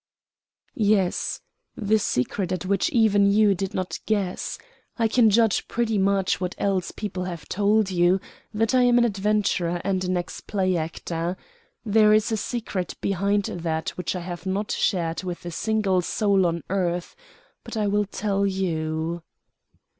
"Yes. The secret at which even you did not guess. I can judge pretty much what these people have told you that I am an adventurer and an ex play actor. There is a secret behind that which I have not shared with a single soul on earth; but I will tell you."